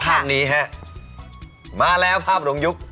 ภาพนี้ฮะมาแล้วภาพหลงยุค